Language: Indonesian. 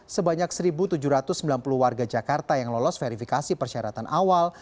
sebanyak satu tujuh ratus sembilan puluh warga jakarta yang lolos verifikasi persyaratan awal